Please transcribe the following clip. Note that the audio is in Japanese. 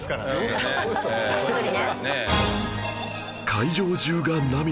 会場中が涙